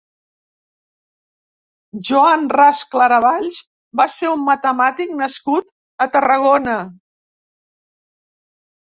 Joan Ras Claravalls va ser un matemàtic nascut a Tarragona.